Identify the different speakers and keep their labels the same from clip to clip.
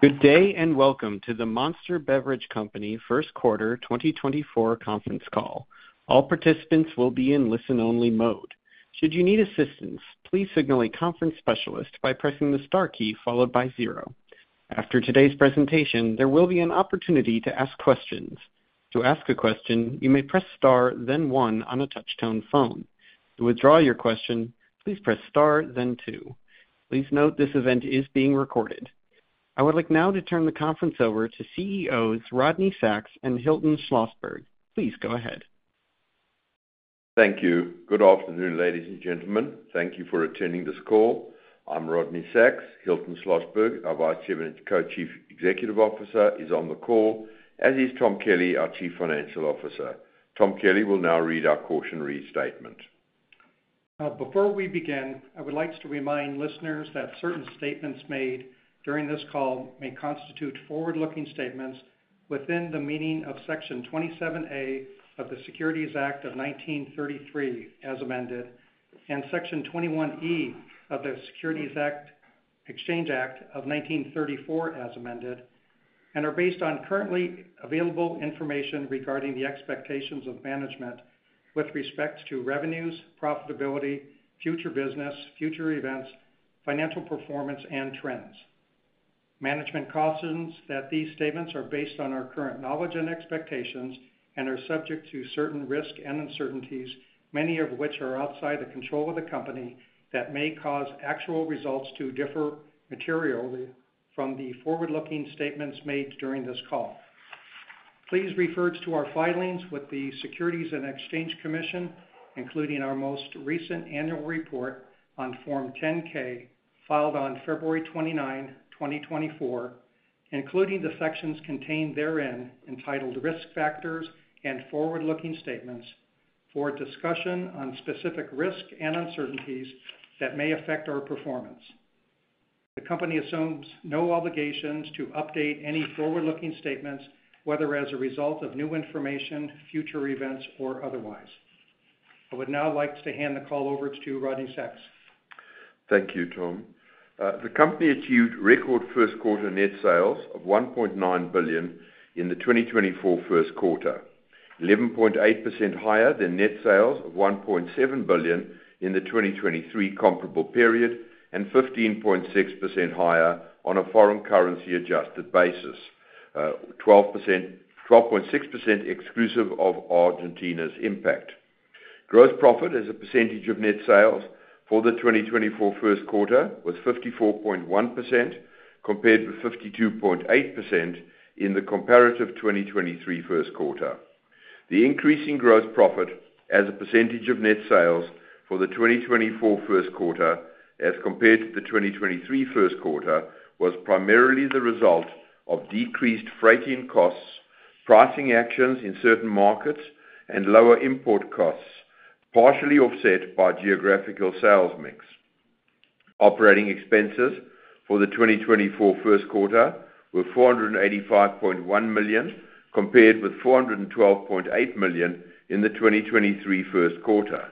Speaker 1: Good day and welcome to the Monster Beverage Corporation first quarter 2024 conference call. All participants will be in listen-only mode. Should you need assistance, please signal a conference specialist by pressing the star key followed by 0. After today's presentation, there will be an opportunity to ask questions. To ask a question, you may press star then 1 on a touch-tone phone. To withdraw your question, please press star then 2. Please note this event is being recorded. I would like now to turn the conference over to CEOs Rodney Sacks and Hilton Schlosberg. Please go ahead.
Speaker 2: Thank you. Good afternoon, ladies and gentlemen. Thank you for attending this call. I'm Rodney Sacks. Hilton Schlosberg, our Vice Chairman and Co-Chief Executive Officer, is on the call, as is Tom Kelly, our Chief Financial Officer. Tom Kelly will now read our cautionary statement.
Speaker 3: Before we begin, I would like to remind listeners that certain statements made during this call may constitute forward-looking statements within the meaning of Section 27A of the Securities Act of 1933 as amended and Section 21E of the Securities Exchange Act of 1934 as amended, and are based on currently available information regarding the expectations of management with respect to revenues, profitability, future business, future events, financial performance, and trends. Management cautions that these statements are based on our current knowledge and expectations and are subject to certain risk and uncertainties, many of which are outside the control of the company, that may cause actual results to differ materially from the forward-looking statements made during this call. Please refer to our filings with the Securities and Exchange Commission, including our most recent annual report on Form 10-K filed on February 29, 2024, including the sections contained therein entitled Risk Factors and Forward-Looking Statements, for discussion on specific risk and uncertainties that may affect our performance. The company assumes no obligations to update any forward-looking statements, whether as a result of new information, future events, or otherwise. I would now like to hand the call over to Rodney Sacks.
Speaker 2: Thank you, Tom. The company achieved record first quarter net sales of $1.9 billion in the 2024 first quarter, 11.8% higher than net sales of $1.7 billion in the 2023 comparable period, and 15.6% higher on a foreign currency-adjusted basis, 12.6% exclusive of Argentina's impact. Gross profit as a percentage of net sales for the 2024 first quarter was 54.1%, compared with 52.8% in the comparative 2023 first quarter. The increasing gross profit as a percentage of net sales for the 2024 first quarter as compared to the 2023 first quarter was primarily the result of decreased freighting costs, pricing actions in certain markets, and lower import costs, partially offset by geographical sales mix. Operating expenses for the 2024 first quarter were $485.1 million, compared with $412.8 million in the 2023 first quarter.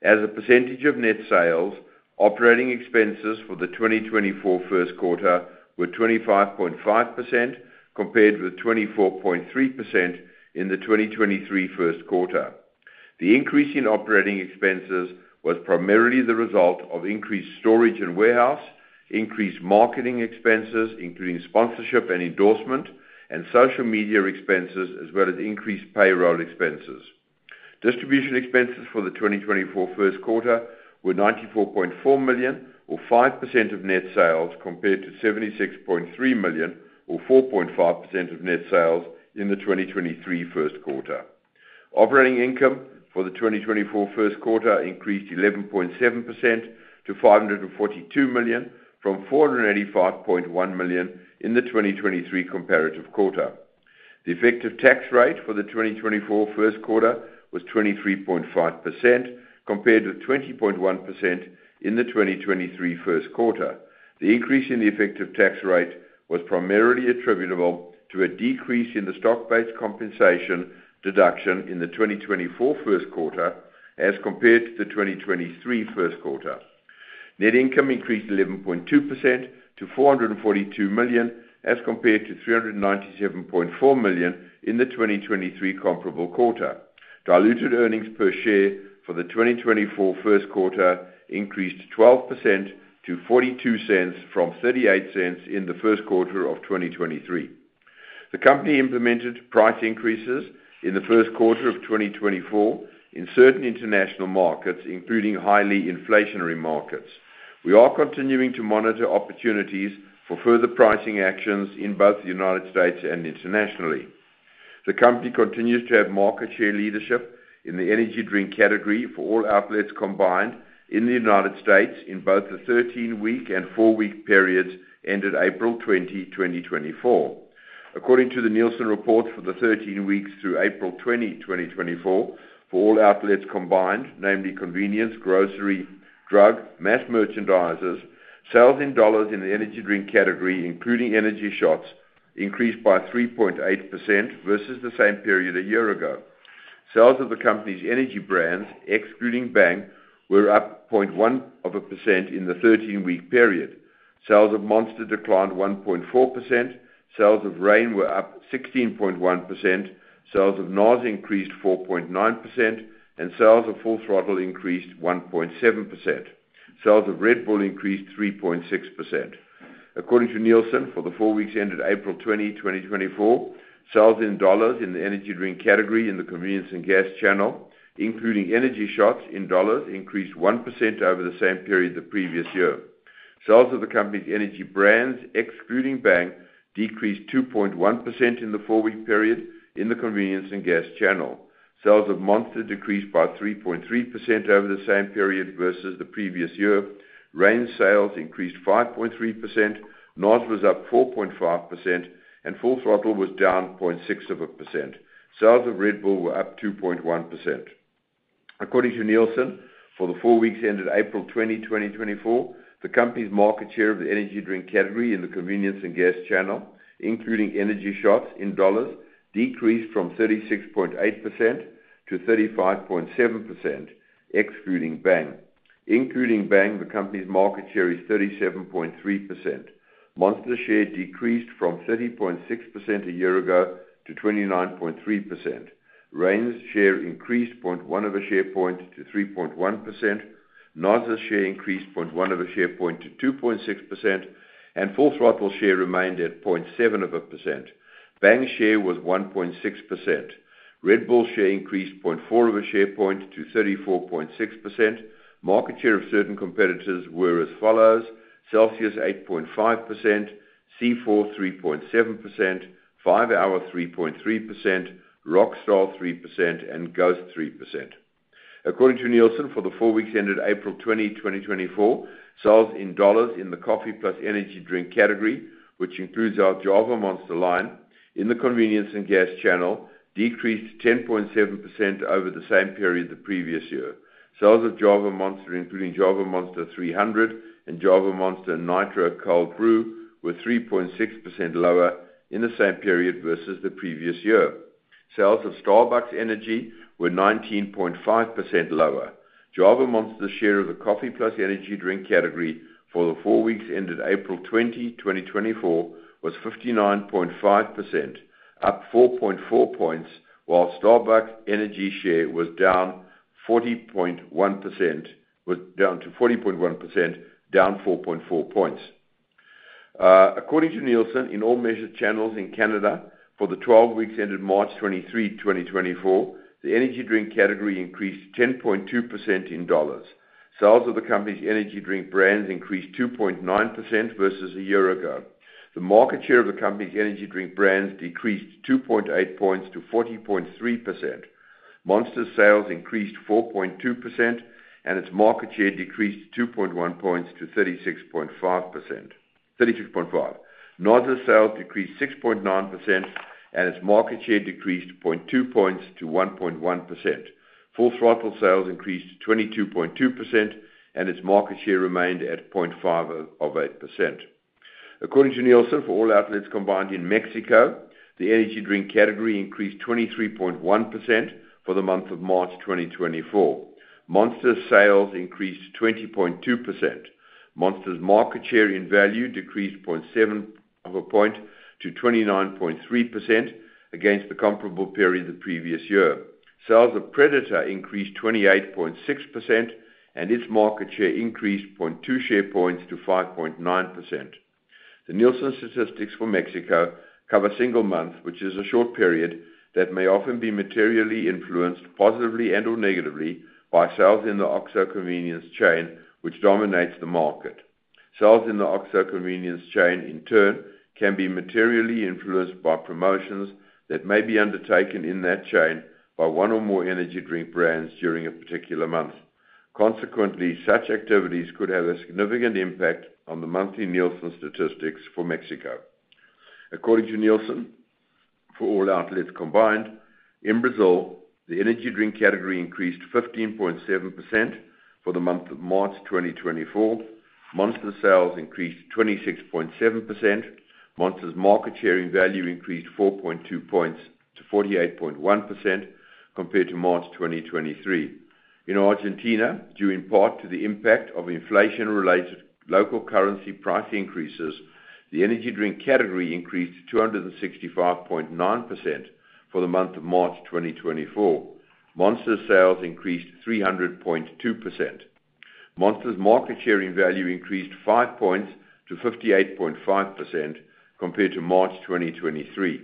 Speaker 2: As a percentage of net sales, operating expenses for the 2024 first quarter were 25.5%, compared with 24.3% in the 2023 first quarter. The increase in operating expenses was primarily the result of increased storage and warehouse, increased marketing expenses, including sponsorship and endorsement, and social media expenses, as well as increased payroll expenses. Distribution expenses for the 2024 first quarter were $94.4 million, or 5% of net sales, compared to $76.3 million, or 4.5% of net sales, in the 2023 first quarter. Operating income for the 2024 first quarter increased 11.7% to $542 million from $485.1 million in the 2023 comparative quarter. The effective tax rate for the 2024 first quarter was 23.5%, compared with 20.1% in the 2023 first quarter. The increase in the effective tax rate was primarily attributable to a decrease in the stock-based compensation deduction in the 2024 first quarter as compared to the 2023 first quarter. Net income increased 11.2% to $442 million as compared to $397.4 million in the 2023 comparable quarter. Diluted earnings per share for the 2024 first quarter increased 12% to $0.42 from $0.38 in the first quarter of 2023. The company implemented price increases in the first quarter of 2024 in certain international markets, including highly inflationary markets. We are continuing to monitor opportunities for further pricing actions in both the United States and internationally. The company continues to have market share leadership in the energy drink category for all outlets combined in the United States in both the 13-week and four-week periods ended April 20, 2024. According to the Nielsen reports for the 13 weeks through April 20, 2024, for all outlets combined, namely convenience, grocery, drug, mass merchandisers, sales in dollars in the energy drink category, including energy shots, increased by 3.8% versus the same period a year ago. Sales of the company's energy brands, excluding Bang, were up 0.1% in the 13-week period. Sales of Monster declined 1.4%. Sales of Reign were up 16.1%. Sales of NOS increased 4.9%, and sales of Full Throttle increased 1.7%. Sales of Red Bull increased 3.6%. According to Nielsen, for the 4 weeks ended April 20, 2024, sales in dollars in the energy drink category in the convenience and gas channel, including energy shots in dollars, increased 1% over the same period the previous year. Sales of the company's energy brands, excluding Bang, decreased 2.1% in the four-week period in the convenience and gas channel. Sales of Monster decreased by 3.3% over the same period versus the previous year. Reign sales increased 5.3%. NOS was up 4.5%, and Full Throttle was down 0.6%. Sales of Red Bull were up 2.1%. According to Nielsen, for the four weeks ended April 20, 2024, the company's market share of the energy drink category in the convenience and gas channel, including energy shots in dollars, decreased from 36.8% to 35.7%, excluding Bang. Including Bang, the company's market share is 37.3%. Monster share decreased from 30.6% a year ago to 29.3%. Reign's share increased 0.1 share point to 3.1%. NOS's share increased 0.1 share point to 2.6%, and Full Throttle share remained at 0.7%. Bang's share was 1.6%. Red Bull's share increased 0.4 share point to 34.6%. Market share of certain competitors were as follows: Celsius 8.5%, C4 3.7%, 5-hour 3.3%, Rockstar 3%, and Ghost 3%. According to Nielsen, for the four weeks ended April 20, 2024, $ sales in the coffee plus energy drink category, which includes our Java Monster line, in the convenience and gas channel decreased 10.7% over the same period the previous year. Sales of Java Monster, including Java Monster 300 and Java Monster Nitro Cold Brew, were 3.6% lower in the same period versus the previous year. Sales of Starbucks Energy were 19.5% lower. Java Monster's share of the coffee plus energy drink category for the four weeks ended April 20, 2024, was 59.5%, up 4.4 points, while Starbucks Energy's share was down 40.1%, down to 40.1%, down 4.4 points. According to Nielsen, in all measured channels in Canada for the 12 weeks ended March 23, 2024, the energy drink category increased 10.2% in dollars. Sales of the company's energy drink brands increased 2.9% versus a year ago. The market share of the company's energy drink brands decreased 2.8 points to 40.3%. Monster's sales increased 4.2%, and its market share decreased 2.1 points to 36.5%. NOS's sales decreased 6.9%, and its market share decreased 0.2 points to 1.1%. Full Throttle sales increased 22.2%, and its market share remained at 0.5%. According to Nielsen, for all outlets combined in Mexico, the energy drink category increased 23.1% for the month of March 2024. Monster's sales increased 20.2%. Monster's market share in value decreased 0.7% to 29.3% against the comparable period the previous year. Sales of Predator increased 28.6%, and its market share increased 0.2 share points to 5.9%. The Nielsen statistics for Mexico cover a single month, which is a short period that may often be materially influenced positively and/or negatively by sales in the OXXO convenience chain, which dominates the market. Sales in the OXXO convenience chain, in turn, can be materially influenced by promotions that may be undertaken in that chain by one or more energy drink brands during a particular month. Consequently, such activities could have a significant impact on the monthly Nielsen statistics for Mexico. According to Nielsen, for all outlets combined, in Brazil, the energy drink category increased 15.7% for the month of March 2024. Monster's sales increased 26.7%. Monster's market share in value increased 4.2 points to 48.1% compared to March 2023. In Argentina, due in part to the impact of inflation-related local currency price increases, the energy drink category increased 265.9% for the month of March 2024. Monster's sales increased 300.2%. Monster's market share in value increased 5 points to 58.5% compared to March 2023.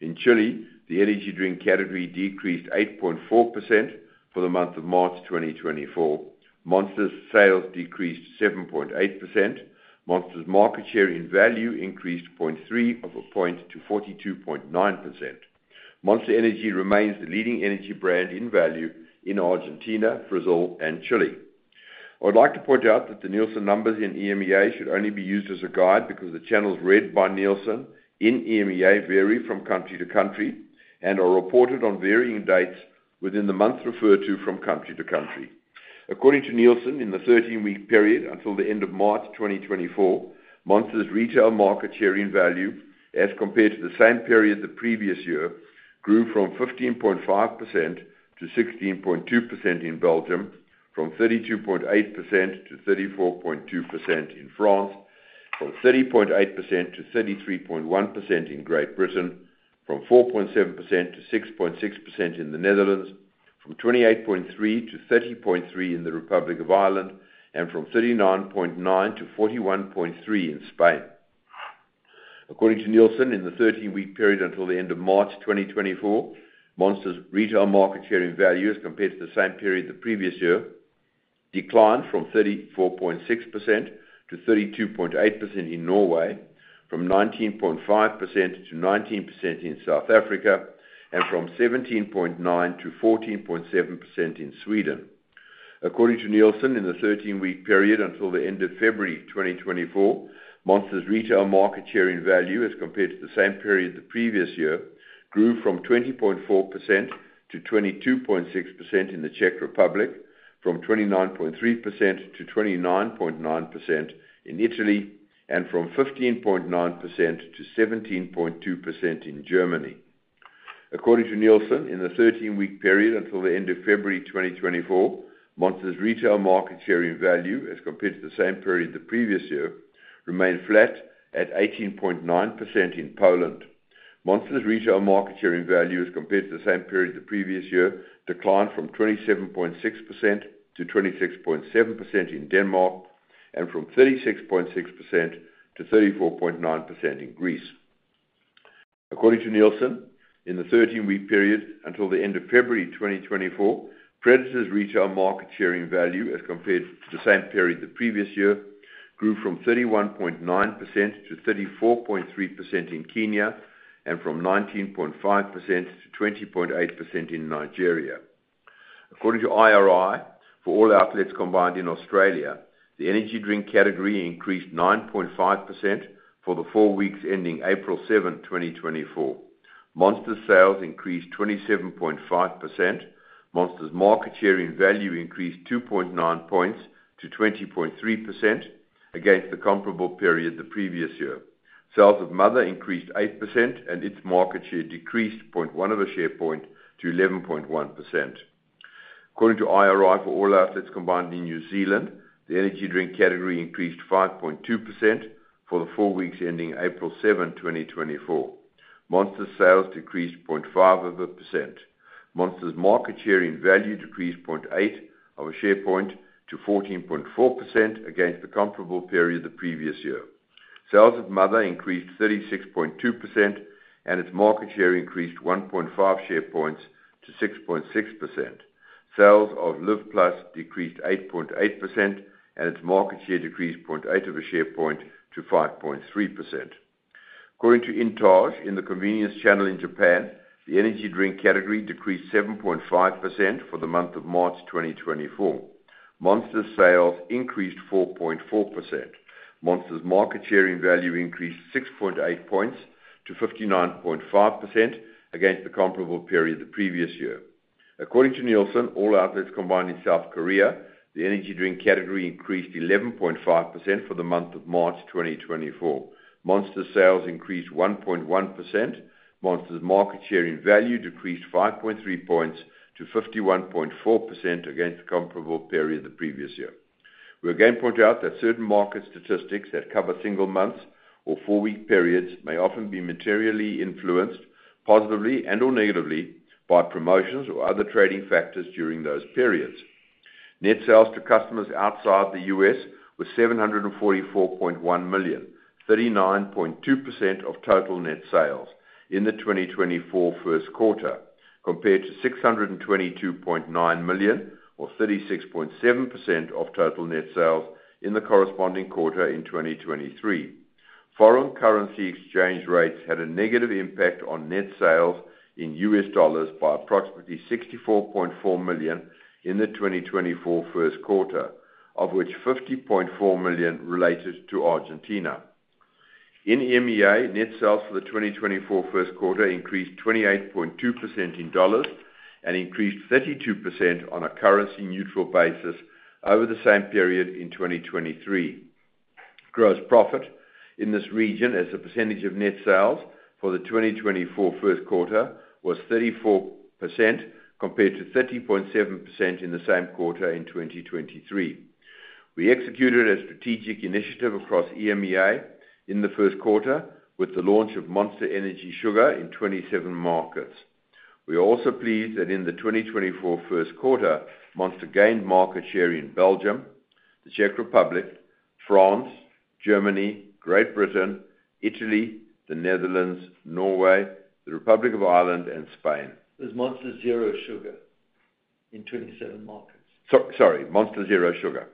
Speaker 2: In Chile, the energy drink category decreased 8.4% for the month of March 2024. Monster's sales decreased 7.8%. Monster's market share in value increased 0.3% to 42.9%. Monster Energy remains the leading energy brand in value in Argentina, Brazil, and Chile. I would like to point out that the Nielsen numbers in EMEA should only be used as a guide because the channels read by Nielsen in EMEA vary from country to country and are reported on varying dates within the month referred to from country to country. According to Nielsen, in the 13-week period until the end of March 2024, Monster's retail market share in value as compared to the same period the previous year grew from 15.5%-16.2% in Belgium, from 32.8%-34.2% in France, from 30.8%-33.1% in Great Britain, from 4.7%-6.6% in the Netherlands, from 28.3%-30.3% in the Republic of Ireland, and from 39.9%-41.3% in Spain. According to Nielsen, in the 13-week period until the end of March 2024, Monster's retail market share in value as compared to the same period the previous year declined from 34.6%-32.8% in Norway, from 19.5%-19% in South Africa, and from 17.9%-14.7% in Sweden. According to Nielsen, in the 13-week period until the end of February 2024, Monster's retail market share in value as compared to the same period the previous year grew from 20.4%-22.6% in the Czech Republic, from 29.3%-29.9% in Italy, and from 15.9%-17.2% in Germany. According to Nielsen, in the 13-week period until the end of February 2024, Monster's retail market share in value as compared to the same period the previous year remained flat at 18.9% in Poland. Monster's retail market share in value as compared to the same period the previous year declined from 27.6% to 26.7% in Denmark, and from 36.6% to 34.9% in Greece. According to Nielsen, in the 13-week period until the end of February 2024, Predator's retail market share in value as compared to the same period the previous year grew from 31.9% to 34.3% in Kenya, and from 19.5% to 20.8% in Nigeria. According to IRI, for all outlets combined in Australia, the energy drink category increased 9.5% for the four weeks ending April 7, 2024. Monster's sales increased 27.5%. Monster's market share in value increased 2.9 points to 20.3% against the comparable period the previous year. Sales of Mother increased 8%, and its market share decreased 0.1 share point to 11.1%. According to IRI, for all outlets combined in New Zealand, the energy drink category increased 5.2% for the four weeks ending April 7, 2024. Monster's sales decreased 0.5%. Monster's market share in value decreased 0.8 share point to 14.4% against the comparable period the previous year. Sales of Mother increased 36.2%, and its market share increased 1.5 share points to 6.6%. Sales of Live+ decreased 8.8%, and its market share decreased 0.8 share point to 5.3%. According to Intage, in the convenience channel in Japan, the energy drink category decreased 7.5% for the month of March 2024. Monster's sales increased 4.4%. Monster's market share in value increased 6.8 points to 59.5% against the comparable period the previous year. According to Nielsen, all outlets combined in South Korea, the energy drink category increased 11.5% for the month of March 2024. Monster's sales increased 1.1%. Monster's market share in value decreased 5.3 points to 51.4% against the comparable period the previous year. We again point out that certain market statistics that cover single months or four-week periods may often be materially influenced positively and/or negatively by promotions or other trading factors during those periods. Net sales to customers outside the U.S. were $744.1 million, 39.2% of total net sales in the 2024 first quarter, compared to $622.9 million or 36.7% of total net sales in the corresponding quarter in 2023. Foreign currency exchange rates had a negative impact on net sales in U.S. dollars by approximately $64.4 million in the 2024 first quarter, of which $50.4 million related to Argentina. In EMEA, net sales for the 2024 first quarter increased 28.2% in dollars and increased 32% on a currency-neutral basis over the same period in 2023. Gross profit in this region as a percentage of net sales for the 2024 first quarter was 34% compared to 30.7% in the same quarter in 2023. We executed a strategic initiative across EMEA in the first quarter with the launch of Monster Energy Sugar in 27 markets. We are also pleased that in the 2024 first quarter, Monster gained market share in Belgium, the Czech Republic, France, Germany, Great Britain, Italy, the Netherlands, Norway, the Republic of Ireland, and Spain.
Speaker 4: Is Monster Zero Sugar in 27 markets?
Speaker 2: Sorry. Monster Zero Sugar.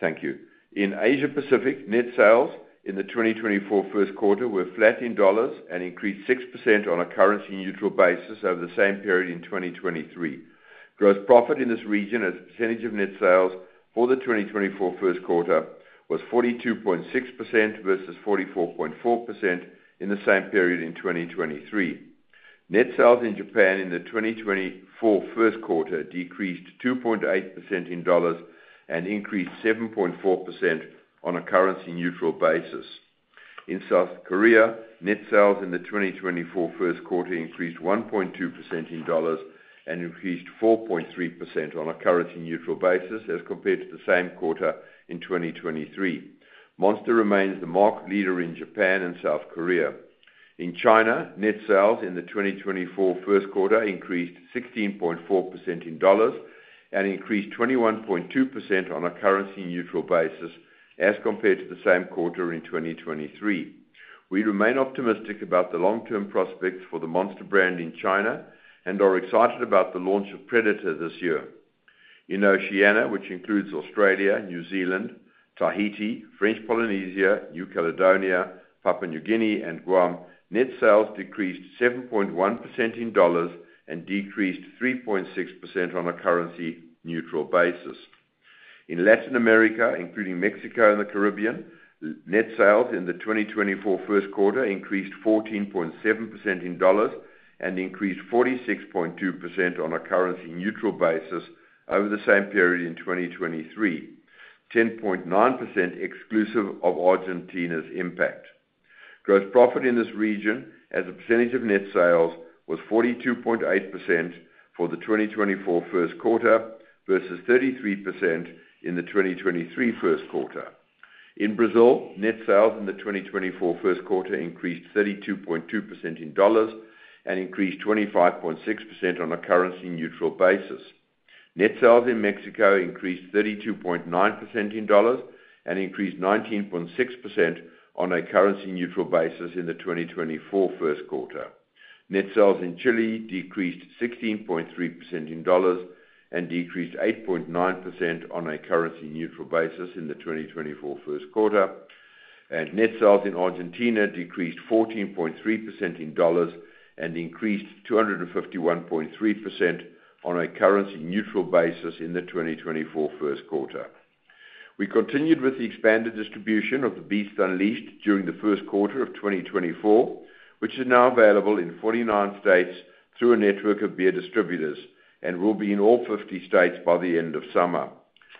Speaker 2: Thank you. In Asia Pacific, net sales in the 2024 first quarter were flat in dollars and increased 6% on a currency-neutral basis over the same period in 2023. Gross profit in this region as a percentage of net sales for the 2024 first quarter was 42.6% versus 44.4% in the same period in 2023. Net sales in Japan in the 2024 first quarter decreased 2.8% in dollars and increased 7.4% on a currency-neutral basis. In South Korea, net sales in the 2024 first quarter increased 1.2% in dollars and increased 4.3% on a currency-neutral basis as compared to the same quarter in 2023. Monster remains the market leader in Japan and South Korea. In China, net sales in the 2024 first quarter increased 16.4% in dollars and increased 21.2% on a currency-neutral basis as compared to the same quarter in 2023. We remain optimistic about the long-term prospects for the Monster brand in China and are excited about the launch of Predator this year. In Oceania, which includes Australia, New Zealand, Tahiti, French Polynesia, New Caledonia, Papua New Guinea, and Guam, net sales decreased 7.1% in dollars and decreased 3.6% on a currency-neutral basis. In Latin America, including Mexico and the Caribbean, net sales in the 2024 first quarter increased 14.7% in dollars and increased 46.2% on a currency-neutral basis over the same period in 2023, 10.9% exclusive of Argentina's impact. Gross profit in this region as a percentage of net sales was 42.8% for the 2024 first quarter versus 33% in the 2023 first quarter. In Brazil, net sales in the 2024 first quarter increased 32.2% in dollars and increased 25.6% on a currency-neutral basis. Net sales in Mexico increased 32.9% in dollars and increased 19.6% on a currency-neutral basis in the 2024 first quarter. Net sales in Chile decreased 16.3% in dollars and decreased 8.9% on a currency-neutral basis in the 2024 first quarter. Net sales in Argentina decreased 14.3% in dollars and increased 251.3% on a currency-neutral basis in the 2024 first quarter. We continued with the expanded distribution of The Beast Unleashed during the first quarter of 2024, which is now available in 49 states through a network of beer distributors and will be in all 50 states by the end of summer.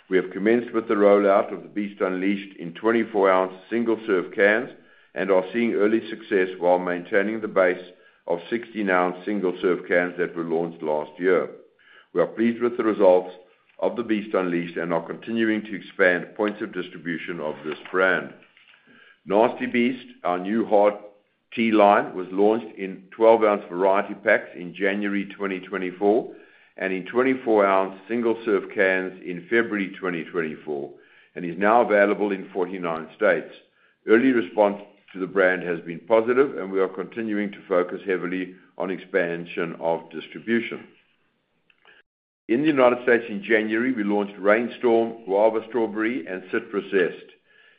Speaker 2: We have commenced with the rollout of The Beast Unleashed in 24-ounce single-serve cans and are seeing early success while maintaining the base of 16-ounce single-serve cans that were launched last year. We are pleased with the results of The Beast Unleashed and are continuing to expand points of distribution of this brand. Nasty Beast, our new Hard Tea line, was launched in 12-ounce variety packs in January 2024 and in 24-ounce single-serve cans in February 2024 and is now available in 49 states. Early response to the brand has been positive, and we are continuing to focus heavily on expansion of distribution. In the United States, in January, we launched Reign Storm Guava Strawberry and Citrus Zest.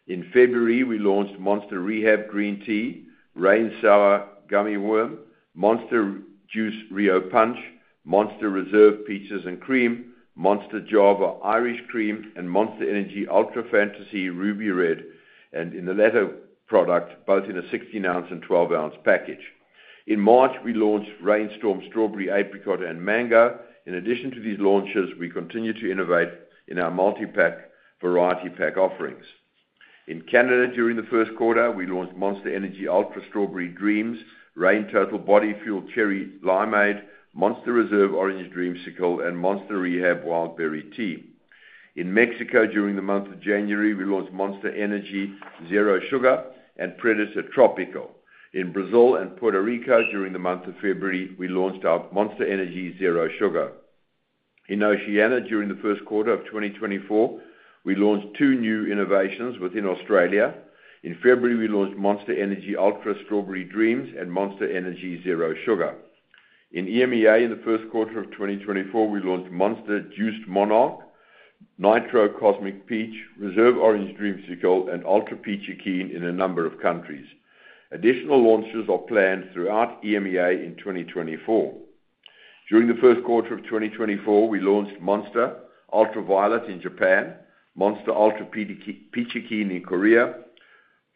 Speaker 2: In February, we launched Monster Rehab Green Tea, Reign Sour Gummy Worm, Monster Juice Rio Punch, Monster Reserve Peaches and Cream, Java Monster Irish Cream, and Monster Energy Ultra Fantasy Ruby Red, and in the latter product, both in a 16-ounce and 12-ounce package. In March, we launched Reign Storm Strawberry Apricot, and Mango. In addition to these launches, we continue to innovate in our multi-pack variety pack offerings. In Canada, during the first quarter, we launched Monster Energy Ultra Strawberry Dreams, Reign Total Body Fuel Cherry Limeade, Monster Reserve Orange Dreamsicle, and Monster Rehab Wildberry Tea. In Mexico, during the month of January, we launched Monster Energy Zero Sugar and Predator Tropical. In Brazil and Puerto Rico, during the month of February, we launched our Monster Energy Zero Sugar. In Oceania, during the first quarter of 2024, we launched two new innovations within Australia. In February, we launched Monster Energy Ultra Strawberry Dreams and Monster Energy Zero Sugar. In EMEA, in the first quarter of 2024, we launched Monster Juiced Monarch, Nitro Cosmic Peach, Reserve Orange Dreamsicle, and Ultra Peachy Keen in a number of countries. Additional launches are planned throughout EMEA in 2024. During the first quarter of 2024, we launched Monster Ultraviolet in Japan, Monster Ultra Peachy Keen in Korea,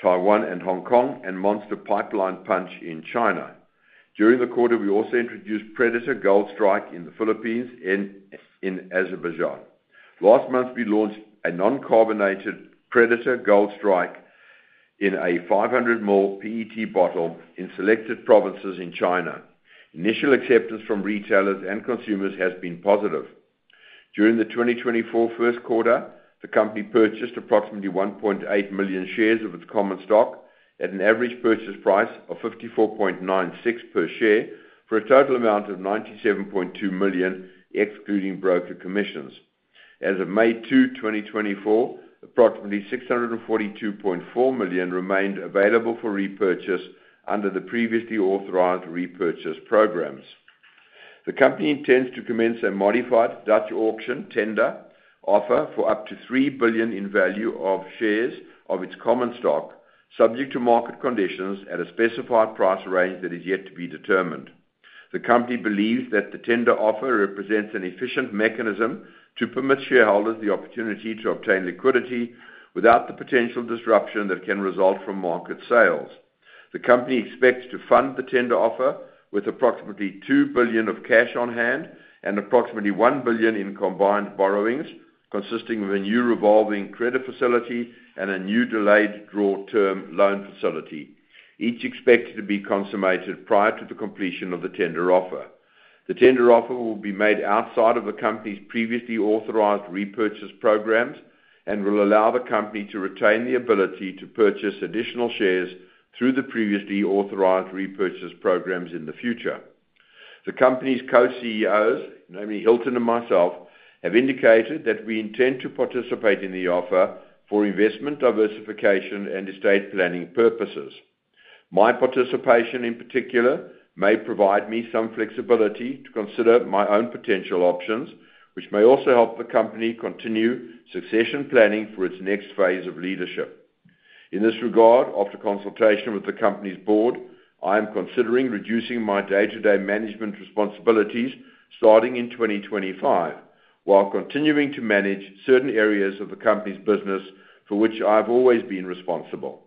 Speaker 2: Taiwan and Hong Kong, and Monster Pipeline Punch in China. During the quarter, we also introduced Predator Gold Strike in the Philippines and in Azerbaijan. Last month, we launched a non-carbonated Predator Gold Strike in a 500-milliliter PET bottle in selected provinces in China. Initial acceptance from retailers and consumers has been positive. During the 2024 first quarter, the company purchased approximately 1.8 million shares of its common stock at an average purchase price of $54.96 per share for a total amount of $97.2 million, excluding broker commissions. As of May 2, 2024, approximately 642.4 million remained available for repurchase under the previously authorized repurchase programs. The company intends to commence a modified Dutch auction tender offer for up to $3 billion in value of shares of its common stock, subject to market conditions at a specified price range that is yet to be determined. The company believes that the tender offer represents an efficient mechanism to permit shareholders the opportunity to obtain liquidity without the potential disruption that can result from market sales. The company expects to fund the tender offer with approximately $2 billion of cash on hand and approximately $1 billion in combined borrowings, consisting of a new revolving credit facility and a new delayed draw term loan facility, each expected to be consummated prior to the completion of the tender offer. The tender offer will be made outside of the company's previously authorized repurchase programs and will allow the company to retain the ability to purchase additional shares through the previously authorized repurchase programs in the future. The company's co-CEOs, namely Hilton and myself, have indicated that we intend to participate in the offer for investment diversification and estate planning purposes. My participation, in particular, may provide me some flexibility to consider my own potential options, which may also help the company continue succession planning for its next phase of leadership. In this regard, after consultation with the company's board, I am considering reducing my day-to-day management responsibilities starting in 2025 while continuing to manage certain areas of the company's business for which I have always been responsible.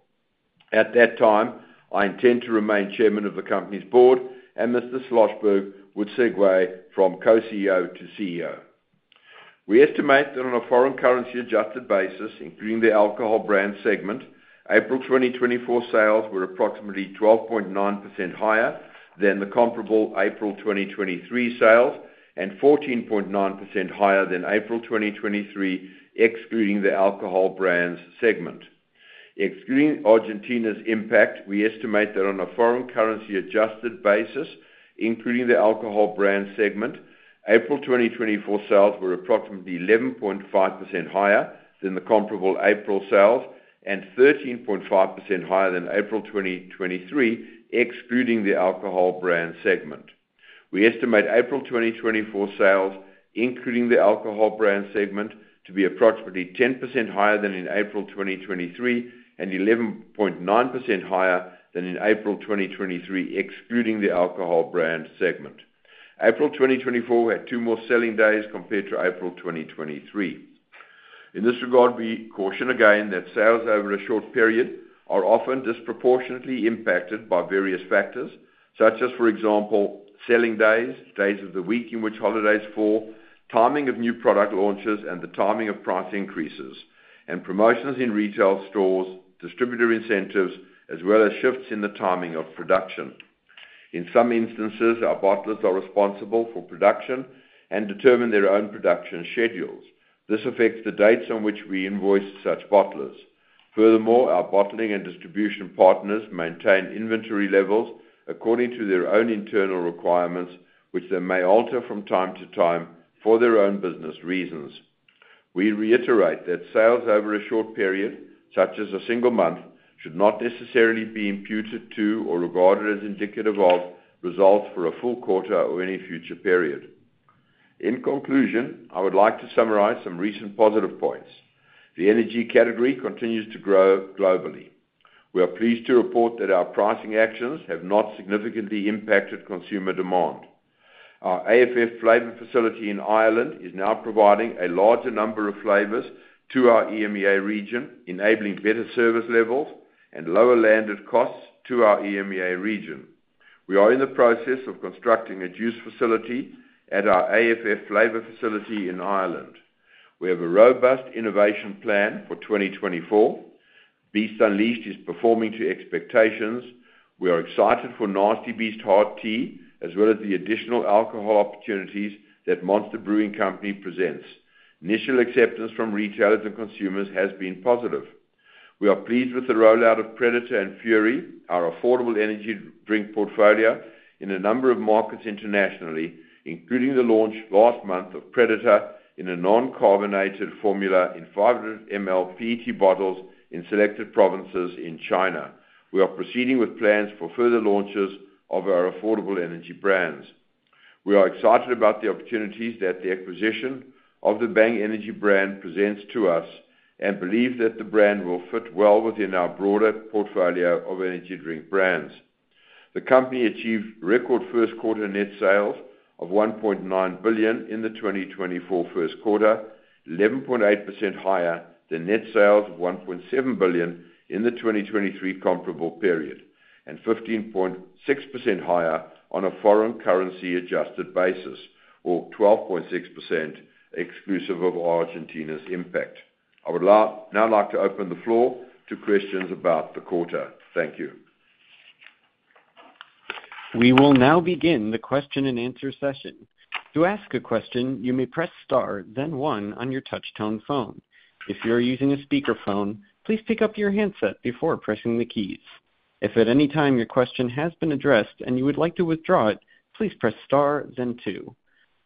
Speaker 2: At that time, I intend to remain chairman of the company's board, and Mr. Schlosberg would segue from co-CEO to CEO. We estimate that on a foreign currency-adjusted basis, including the alcohol brand segment, April 2024 sales were approximately 12.9% higher than the comparable April 2023 sales and 14.9% higher than April 2023, excluding the alcohol brands segment. Excluding Argentina's impact, we estimate that on a foreign currency-adjusted basis, including the alcohol brand segment, April 2024 sales were approximately 11.5% higher than the comparable April sales and 13.5% higher than April 2023, excluding the alcohol brand segment. We estimate April 2024 sales, including the alcohol brand segment, to be approximately 10% higher than in April 2023 and 11.9% higher than in April 2023, excluding the alcohol brand segment. April 2024 had two more selling days compared to April 2023. In this regard, we caution again that sales over a short period are often disproportionately impacted by various factors, such as, for example, selling days, days of the week in which holidays fall, timing of new product launches, and the timing of price increases, and promotions in retail stores, distributor incentives, as well as shifts in the timing of production. In some instances, our bottlers are responsible for production and determine their own production schedules. This affects the dates on which we invoice such bottlers. Furthermore, our bottling and distribution partners maintain inventory levels according to their own internal requirements, which they may alter from time to time for their own business reasons. We reiterate that sales over a short period, such as a single month, should not necessarily be imputed to or regarded as indicative of results for a full quarter or any future period. In conclusion, I would like to summarize some recent positive points. The energy category continues to grow globally. We are pleased to report that our pricing actions have not significantly impacted consumer demand. Our AFF flavor facility in Ireland is now providing a larger number of flavors to our EMEA region, enabling better service levels and lower landed costs to our EMEA region. We are in the process of constructing a juice facility at our AFF flavor facility in Ireland. We have a robust innovation plan for 2024. Beast Unleashed is performing to expectations. We are excited for Nasty Beast Hard Tea, as well as the additional alcohol opportunities that Monster Brewing Company presents. Initial acceptance from retailers and consumers has been positive. We are pleased with the rollout of Predator and Fury, our affordable energy drink portfolio, in a number of markets internationally, including the launch last month of Predator in a non-carbonated formula in 500-milliliter PET bottles in selected provinces in China. We are proceeding with plans for further launches of our affordable energy brands. We are excited about the opportunities that the acquisition of the Bang Energy brand presents to us and believe that the brand will fit well within our broader portfolio of energy drink brands. The company achieved record first-quarter net sales of $1.9 billion in the 2024 first quarter, 11.8% higher than net sales of $1.7 billion in the 2023 comparable period, and 15.6% higher on a foreign currency-adjusted basis, or 12.6% exclusive of Argentina's impact. I would now like to open the floor to questions about the quarter.
Speaker 1: Thank you. We will now begin the question and answer session. To ask a question, you may press star, then one, on your touch-tone phone. If you are using a speakerphone, please pick up your handset before pressing the keys. If at any time your question has been addressed and you would like to withdraw it, please press star, then two.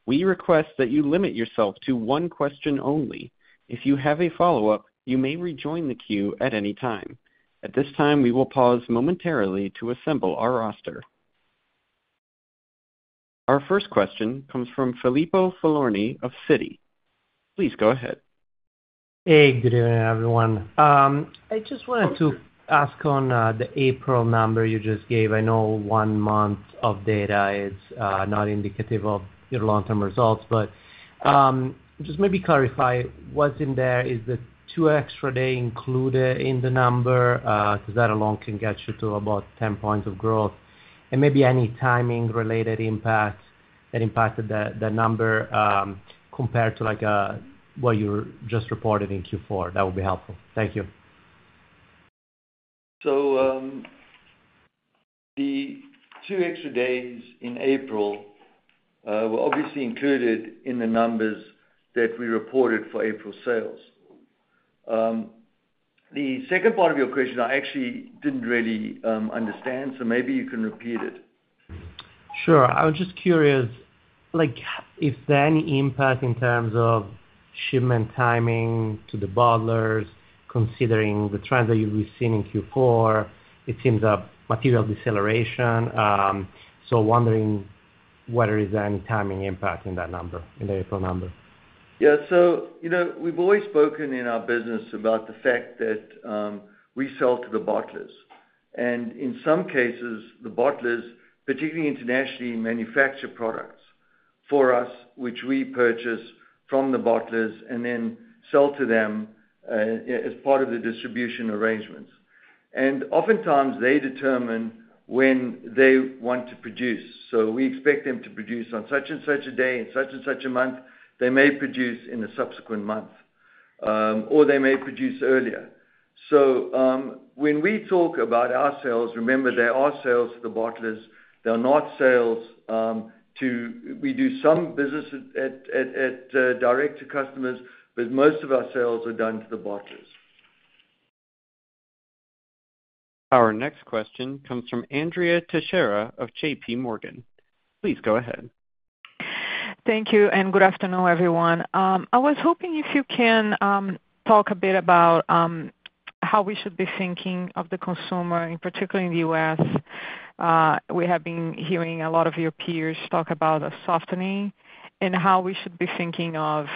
Speaker 1: We request that you limit yourself to one question only. If you have a follow-up, you may rejoin the queue at any time. At this time, we will pause momentarily to assemble our roster. Our first question comes from Filippo Falorni of Citi. Please go ahead.
Speaker 5: Hey, good evening, everyone. I just wanted to ask on the April number you just gave. I know one month of data is not indicative of your long-term results, but just maybe clarify, what's in there? Is the two extra days included in the number? Because that alone can get you to about 10 points of growth. And maybe any timing-related impact that impacted that number compared to what you just reported in Q4. That would be helpful. Thank you.
Speaker 6: So the two extra days in April were obviously included in the numbers that we reported for April sales. The second part of your question, I actually didn't really understand, so maybe you can repeat it.
Speaker 5: Sure. I was just curious if there's any impact in terms of shipment timing to the bottlers, considering the trends that you've been seeing in Q4? It seems like material deceleration. So wondering whether there's any timing impact in that number, in the April number?
Speaker 6: Yeah. So we've always spoken in our business about the fact that we sell to the bottlers. And in some cases, the bottlers, particularly internationally, manufacture products for us, which we purchase from the bottlers and then sell to them as part of the distribution arrangements. And oftentimes, they determine when they want to produce. So we expect them to produce on such and such a day and such and such a month. They may produce in the subsequent month, or they may produce earlier. So when we talk about our sales, remember, there are sales to the bottlers. There are no sales. We do some business direct to customers, but most of our sales are done to the bottlers.
Speaker 1: Our next question comes from Andrea Teixeira of J.P. Morgan. Please go ahead.
Speaker 7: Thank you. And good afternoon, everyone. I was hoping if you can talk a bit about how we should be thinking of the consumer, in particular in the U.S. We have been hearing a lot of your peers talk about softening and how we should be thinking of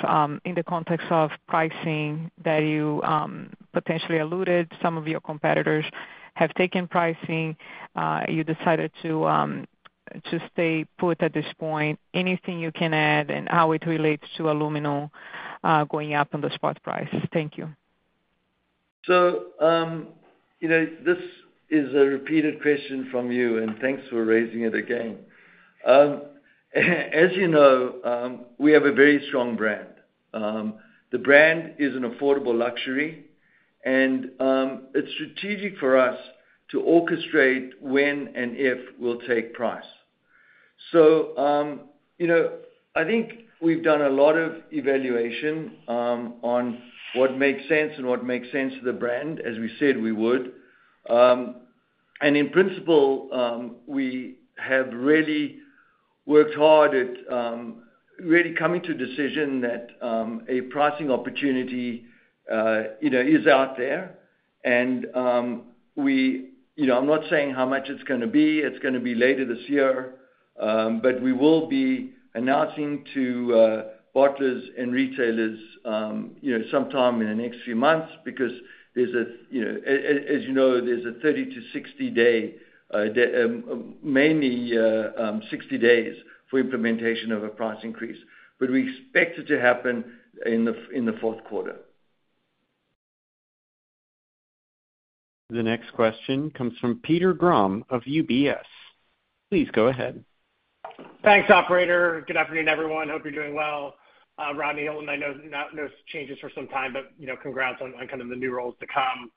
Speaker 7: in the context of pricing that you potentially alluded. Some of your competitors have taken pricing. You decided to stay put at this point. Anything you can add and how it relates to aluminum going up on the spot price. Thank you.
Speaker 6: So this is a repeated question from you, and thanks for raising it again. As you know, we have a very strong brand. The brand is an affordable luxury, and it's strategic for us to orchestrate when and if we'll take price. So I think we've done a lot of evaluation on what makes sense and what makes sense to the brand, as we said we would. And in principle, we have really worked hard at really coming to a decision that a pricing opportunity is out there. And I'm not saying how much it's going to be. It's going to be later this year. But we will be announcing to bottlers and retailers sometime in the next few months because there's a, as you know, there's a 30-60 day, mainly 60 days for implementation of a price increase. But we expect it to happen in the fourth quarter.
Speaker 1: The next question comes from Peter Grom of UBS. Please go ahead.
Speaker 8: Thanks, operator. Good afternoon, everyone. Hope you're doing well. Rodney, Hilton, I know no changes for some time, but congrats on kind of the new roles to come.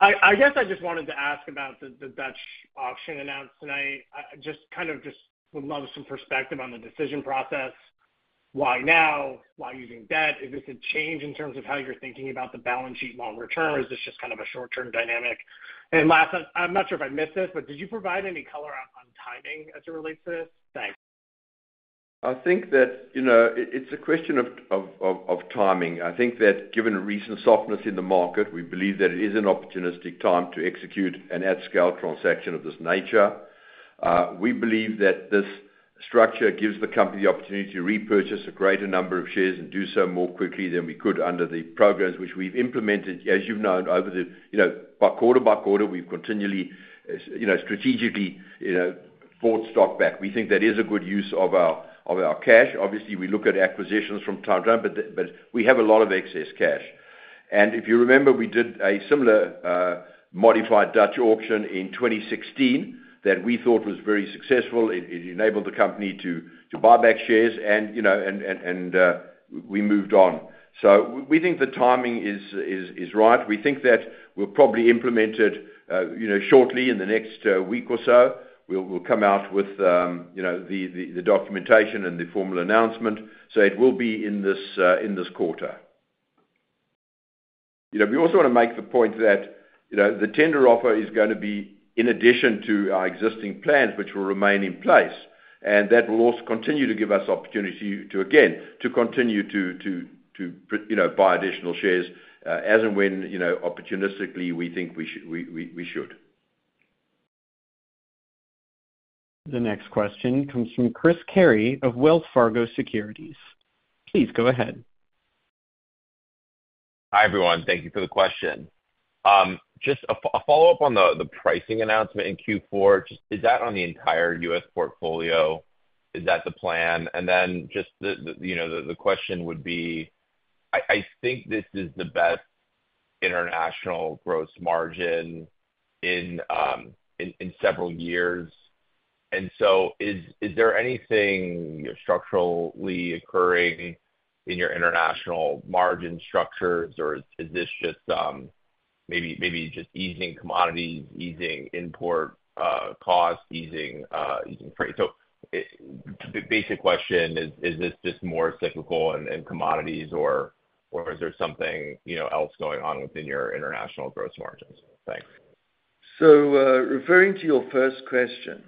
Speaker 8: I guess I just wanted to ask about the Dutch auction announced tonight. Just kind of just would love some perspective on the decision process. Why now? Why using debt? Is this a change in terms of how you're thinking about the balance sheet longer term, or is this just kind of a short-term dynamic? And last, I'm not sure if I missed this, but did you provide any color on timing as it relates to this? Thanks.
Speaker 2: I think that it's a question of timing. I think that given recent softness in the market, we believe that it is an opportunistic time to execute an at-scale transaction of this nature. We believe that this structure gives the company the opportunity to repurchase a greater number of shares and do so more quickly than we could under the programs, which we've implemented, as you've known, quarter by quarter, we've continually strategically bought stock back. We think that is a good use of our cash. Obviously, we look at acquisitions from time to time, but we have a lot of excess cash. And if you remember, we did a similar modified Dutch auction in 2016 that we thought was very successful. It enabled the company to buy back shares, and we moved on. So we think the timing is right. We think that we'll probably implement it shortly, in the next week or so. We'll come out with the documentation and the formal announcement. So it will be in this quarter. We also want to make the point that the tender offer is going to be in addition to our existing plans, which will remain in place. And that will also continue to give us opportunity to, again, continue to buy additional shares as and when opportunistically we think we should.
Speaker 1: The next question comes from Chris Carey of Wells Fargo Securities. Please go ahead.
Speaker 9: Hi, everyone. Thank you for the question. Just a follow-up on the pricing announcement in Q4. Is that on the entire U.S. portfolio? Is that the plan? And then just the question would be, I think this is the best international gross margin in several years. And so is there anything structurally occurring in your international margin structures, or is this just maybe just easing commodities, easing import costs, easing freight? So basic question, is this just more cyclical in commodities, or is there something else going on within your international gross margins? Thanks.
Speaker 6: So referring to your first question,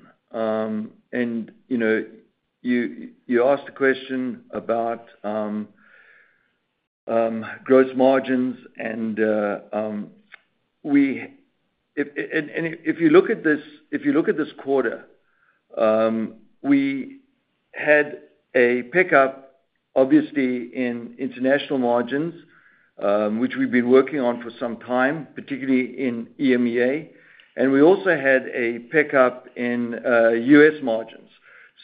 Speaker 6: and you asked a question about gross margins, and if you look at this quarter, we had a pickup, obviously, in international margins, which we've been working on for some time, particularly in EMEA. And we also had a pickup in U.S. margins.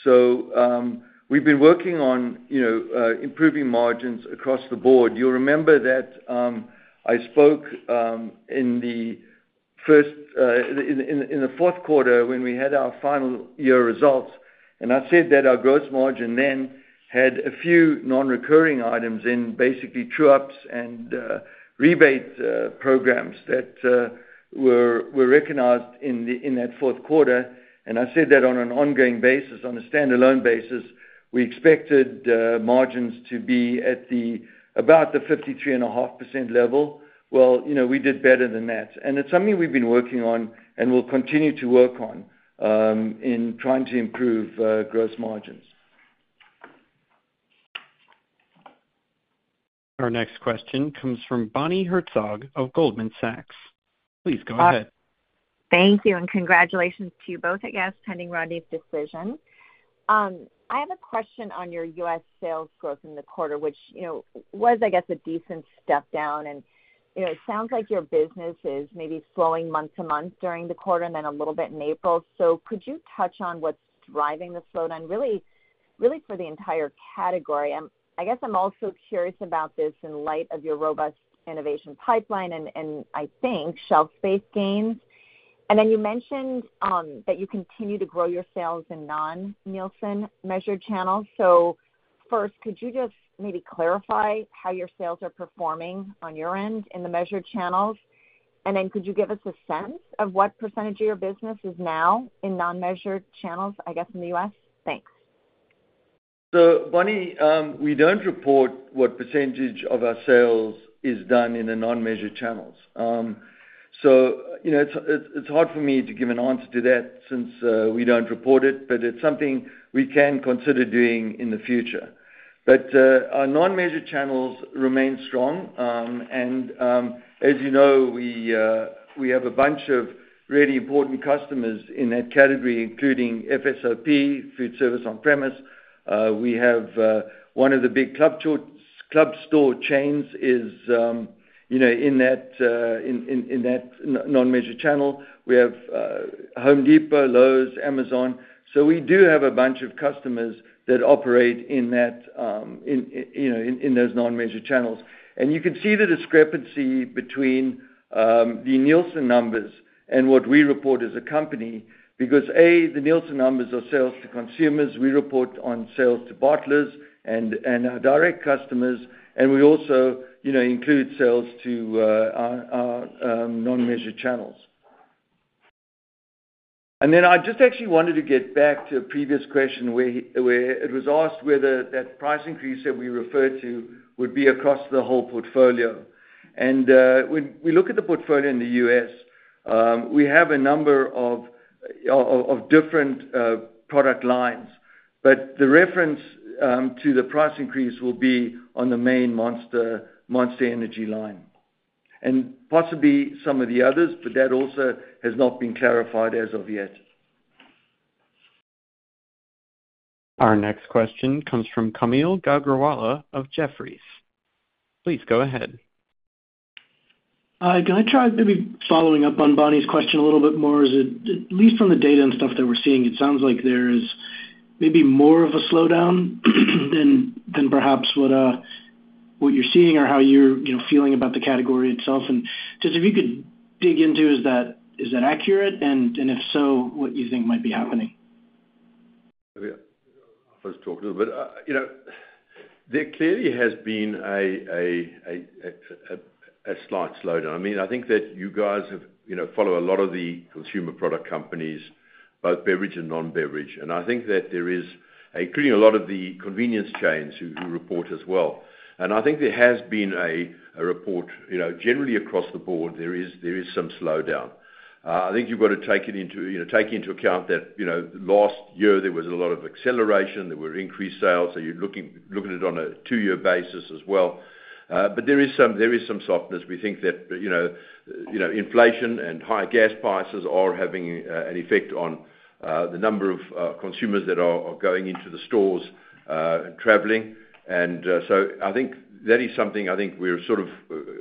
Speaker 6: So we've been working on improving margins across the board. You'll remember that I spoke in the fourth quarter when we had our final year results. And I said that our gross margin then had a few non-recurring items in basically true-ups and rebate programs that were recognized in that fourth quarter. I said that on an ongoing basis, on a standalone basis, we expected margins to be at about the 53.5% level. Well, we did better than that. And it's something we've been working on and will continue to work on in trying to improve gross margins.
Speaker 1: Our next question comes from Bonnie Herzog of Goldman Sachs. Please go ahead.
Speaker 10: Thank you. And congratulations to you both, I guess, pending Rodney's decision. I have a question on your U.S. sales growth in the quarter, which was, I guess, a decent step down. And it sounds like your business is maybe slowing month-to-month during the quarter and then a little bit in April. So could you touch on what's driving the slowdown, really for the entire category? I guess I'm also curious about this in light of your robust innovation pipeline and, I think, shelf space gains. And then you mentioned that you continue to grow your sales in non-Nielsen measured channels. So first, could you just maybe clarify how your sales are performing on your end in the measured channels? And then could you give us a sense of what percentage of your business is now in non-measured channels, I guess, in the U.S.? Thanks.
Speaker 6: So Bonnie, we don't report what percentage of our sales is done in the non-measured channels. So it's hard for me to give an answer to that since we don't report it, but it's something we can consider doing in the future. But our non-measured channels remain strong. And as you know, we have a bunch of really important customers in that category, including FSOP, Food Service On-Premise. One of the big club store chains is in that non-measured channel. We have Home Depot, Lowe's, Amazon. We do have a bunch of customers that operate in those non-measured channels. You can see the discrepancy between the Nielsen numbers and what we report as a company because, A, the Nielsen numbers are sales to consumers. We report on sales to bottlers and our direct customers. We also include sales to our non-measured channels. Then I just actually wanted to get back to a previous question where it was asked whether that price increase that we refer to would be across the whole portfolio. When we look at the portfolio in the U.S., we have a number of different product lines. The reference to the price increase will be on the main Monster Energy line and possibly some of the others, but that also has not been clarified as of yet.
Speaker 1: Our next question comes from Kaumil Gajrawala of Jefferies. Please go ahead.
Speaker 11: Can I try maybe following up on Bonnie's question a little bit more? At least from the data and stuff that we're seeing, it sounds like there is maybe more of a slowdown than perhaps what you're seeing or how you're feeling about the category itself. And just if you could dig into, is that accurate? And if so, what you think might be happening?
Speaker 2: I was talking to them. But there clearly has been a slight slowdown. I mean, I think that you guys follow a lot of the consumer product companies, both beverage and non-beverage. And I think that there is including a lot of the convenience chains who report as well. And I think there has been a report generally across the board, there is some slowdown. I think you've got to take into account that last year, there was a lot of acceleration. There were increased sales. So you're looking at it on a two-year basis as well. But there is some softness. We think that inflation and high gas prices are having an effect on the number of consumers that are going into the stores and traveling. And so I think that is something I think we're sort of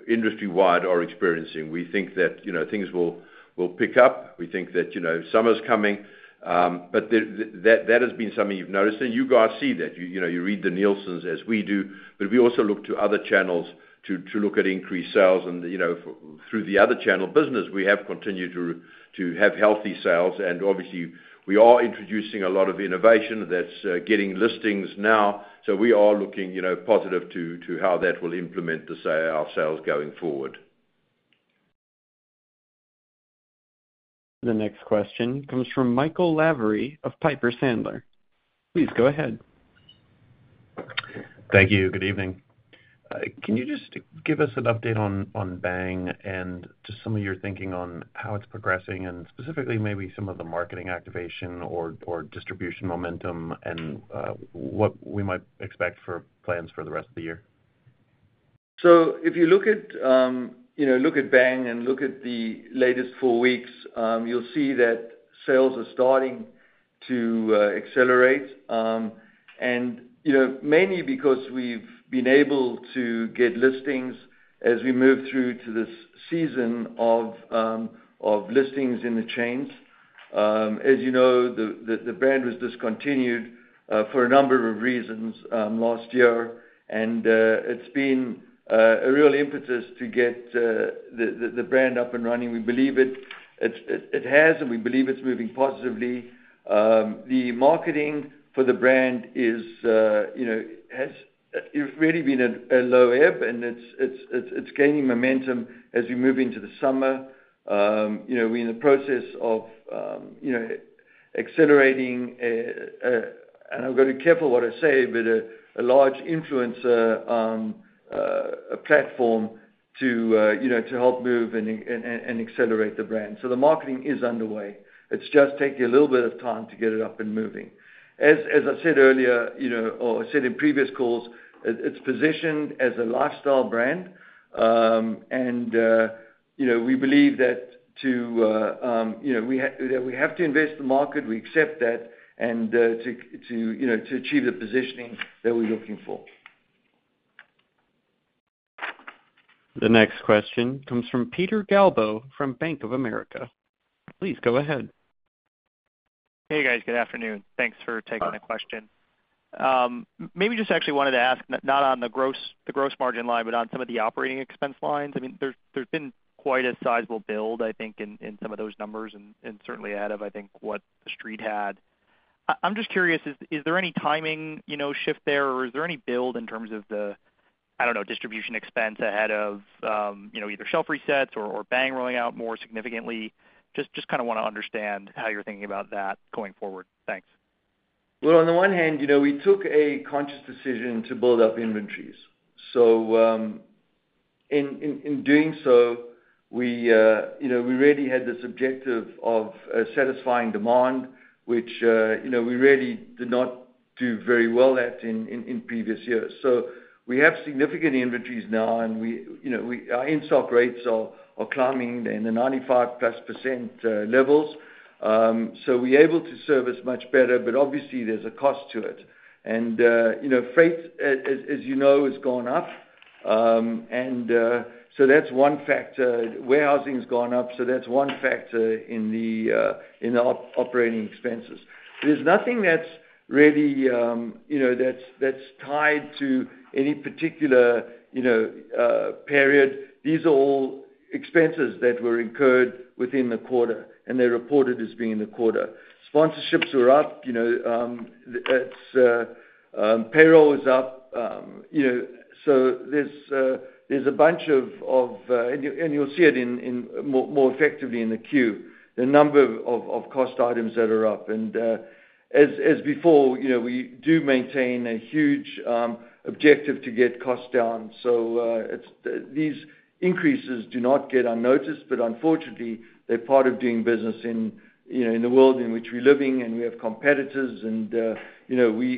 Speaker 2: industry-wide are experiencing. We think that things will pick up. We think that summer's coming. But that has been something you've noticed. And you guys see that. You read the Nielsens as we do. But we also look to other channels to look at increased sales. And through the other channel, business, we have continued to have healthy sales. And obviously, we are introducing a lot of innovation. That's getting listings now. So we are looking positive to how that will implement our sales going forward.
Speaker 1: The next question comes from Michael Lavery of Piper Sandler. Please go ahead.
Speaker 12: Thank you. Good evening. Can you just give us an update on Bang and just some of your thinking on how it's progressing and specifically maybe some of the marketing activation or distribution momentum and what we might expect for plans for the rest of the year?
Speaker 6: So if you look at Bang and look at the latest four weeks, you'll see that sales are starting to accelerate, mainly because we've been able to get listings as we move through to this season of listings in the chains. As you know, the brand was discontinued for a number of reasons last year. It's been a real impetus to get the brand up and running. We believe it has, and we believe it's moving positively. The marketing for the brand has really been at a low ebb, and it's gaining momentum as we move into the summer. We're in the process of accelerating, and I've got to be careful what I say, but a large influencer platform to help move and accelerate the brand. So the marketing is underway. It's just taking a little bit of time to get it up and moving. As I said earlier or said in previous calls, it's positioned as a lifestyle brand. We believe that to that we have to invest in the market. We accept that and to achieve the positioning that we're looking for.
Speaker 1: The next question comes from Peter Galbo from Bank of America. Please go ahead.
Speaker 13: Hey, guys. Good afternoon. Thanks for taking the question. Maybe just actually wanted to ask, not on the gross margin line, but on some of the operating expense lines. I mean, there's been quite a sizable build, I think, in some of those numbers and certainly ahead of, I think, what the street had. I'm just curious, is there any timing shift there, or is there any build in terms of the, I don't know, distribution expense ahead of either shelf resets or Bang rolling out more significantly? Just kind of want to understand how you're thinking about that going forward. Thanks.
Speaker 6: Well, on the one hand, we took a conscious decision to build up inventories. So in doing so, we really had this objective of satisfying demand, which we really did not do very well at in previous years. So we have significant inventories now, and our in-stock rates are climbing in the 95%+ levels. So we're able to service much better. But obviously, there's a cost to it. And freight, as you know, has gone up. That's one factor. Warehousing has gone up. So that's one factor in the operating expenses. There's nothing that's really tied to any particular period. These are all expenses that were incurred within the quarter, and they're reported as being in the quarter. Sponsorships are up. Payroll is up. So there's a bunch of and you'll see it more effectively in the Q, the number of cost items that are up. And as before, we do maintain a huge objective to get costs down. So these increases do not get unnoticed. But unfortunately, they're part of doing business in the world in which we're living, and we have competitors. And we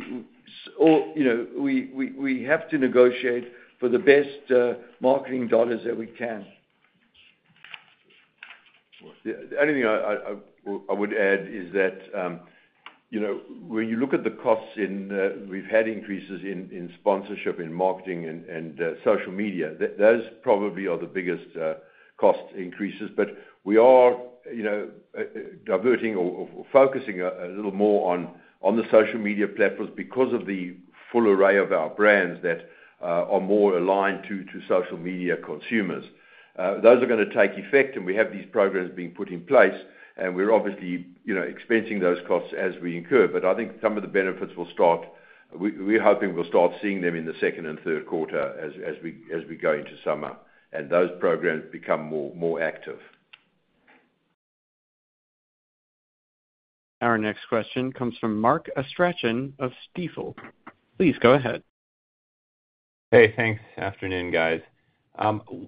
Speaker 6: have to negotiate for the best marketing dollars that we can.
Speaker 2: The only thing I would add is that when you look at the costs we've had increases in sponsorship, in marketing, and social media. Those probably are the biggest cost increases. But we are diverting or focusing a little more on the social media platforms because of the full array of our brands that are more aligned to social media consumers. Those are going to take effect. And we have these programs being put in place. And we're obviously expensing those costs as we incur. But I think some of the benefits will start we're hoping we'll start seeing them in the second and third quarter as we go into summer and those programs become more active.
Speaker 1: Our next question comes from Mark Astrachan of Stifel. Please go ahead.
Speaker 14: Hey, thanks. Afternoon, guys.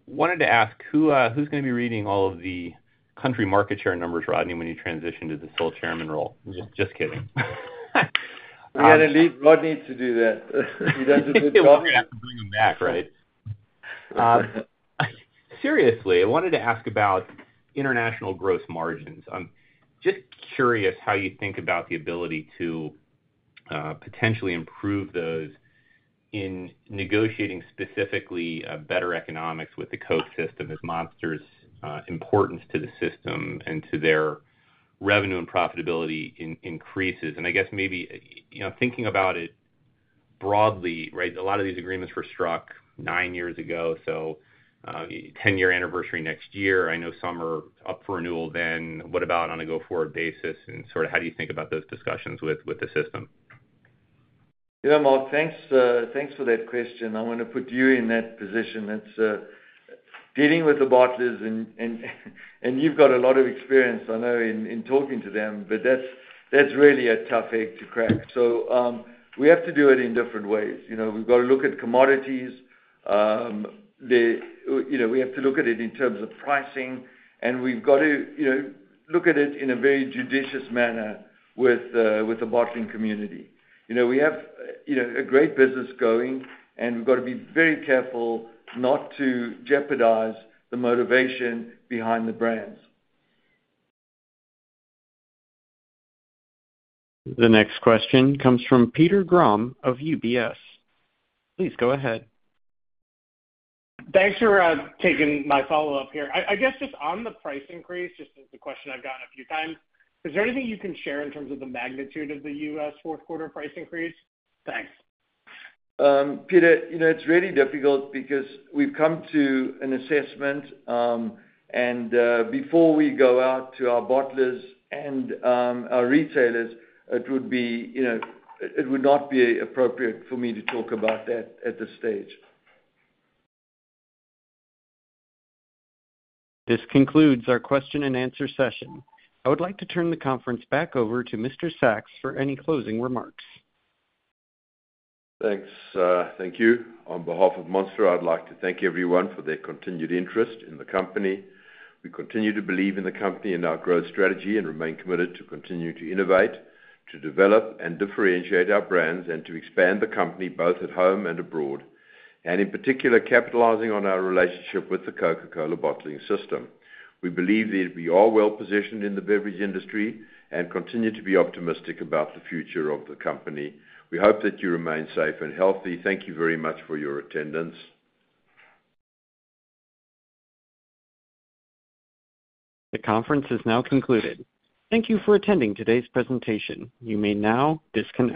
Speaker 14: Wanted to ask, who's going to be reading all of the country market share numbers, Rodney, when you transition to the sole chairman role? Just kidding.
Speaker 6: We got to leave Rodney to do that. He doesn't do the job.
Speaker 14: He'll probably have to bring him back, right? Seriously, I wanted to ask about international gross margins. I'm just curious how you think about the ability to potentially improve those in negotiating specifically better economics with the Coke system as Monster's importance to the system and to their revenue and profitability increases. And I guess maybe thinking about it broadly, right, a lot of these agreements were struck nine years ago. So 10-year anniversary next year. I know some are up for renewal then. What about on a go-forward basis? And sort of how do you think about those discussions with the system?
Speaker 6: Yeah. Well, thanks for that question. I want to put you in that position. It's dealing with the bottlers. And you've got a lot of experience, I know, in talking to them. But that's really a tough egg to crack. So we have to do it in different ways. We've got to look at commodities. We have to look at it in terms of pricing. And we've got to look at it in a very judicious manner with the bottling community. We have a great business going, and we've got to be very careful not to jeopardize the motivation behind the brands.
Speaker 1: The next question comes from Peter Grom of UBS. Please go ahead.
Speaker 8: Thanks for taking my follow-up here. I guess just on the price increase, just the question I've gotten a few times, is there anything you can share in terms of the magnitude of the U.S. fourth-quarter price increase? Thanks.
Speaker 6: Peter, it's really difficult because we've come to an assessment. Before we go out to our bottlers and our retailers, it would not be appropriate for me to talk about that at this stage.
Speaker 1: This concludes our question-and-answer session. I would like to turn the conference back over to Mr. Sacks for any closing remarks.
Speaker 2: Thanks. Thank you. On behalf of Monster, I'd like to thank everyone for their continued interest in the company. We continue to believe in the company and our growth strategy and remain committed to continue to innovate, to develop and differentiate our brands, and to expand the company both at home and abroad, and in particular, capitalizing on our relationship with the Coca-Cola bottling system. We believe that we are well-positioned in the beverage industry and continue to be optimistic about the future of the company. We hope that you remain safe and healthy. Thank you very much for your attendance.
Speaker 1: The conference is now concluded. Thank you for attending today's presentation. You may now disconnect.